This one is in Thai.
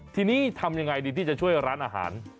ทีนี้ทำยังไงดีที่จะช่วยร้านอาหาร